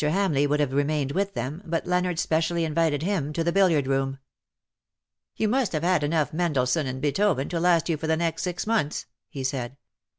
Ham leigh would have remained with them, but Leonard specially invited him to the billiard room. ''You must have had enough Mendelssohn and Beethoven to last you for the next six months/' he said.